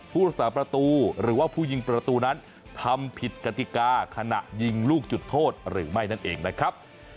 ผู้รักษาประตูหรือว่าผู้ยิงประตูนั้นทำผิดกติกาขณะยิงลูกจุดโทษหรือไม่นั่นเองนะครับ